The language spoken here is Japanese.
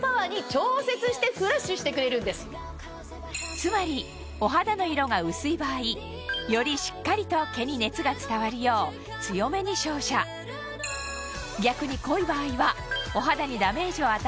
つまりお肌の色が薄い場合よりしっかりと毛に熱が伝わるよう強めに照射逆に濃い場合はお肌にダメージを与えないよう照射力を抑えてくれるんです